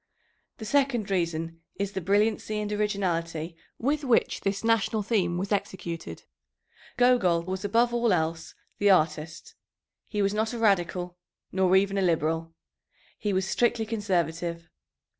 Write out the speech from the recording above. The second reason is the brilliancy and originality with which this national theme was executed. Gogol was above all else the artist. He was not a radical, nor even a liberal. He was strictly conservative.